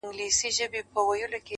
وو حاکم مګر مشهوره په امیر وو-